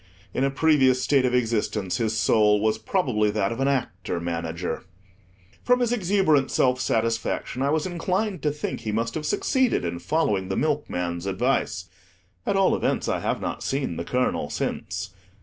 In a previous state of existence, his soul was probably that of an Actor Manager. From his exuberant self satisfaction, I was inclined to think he must have succeeded in following the milkman's advice; at all events, I have not seen the colonel since.